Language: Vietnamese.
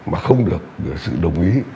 mà không được được sự đồng ý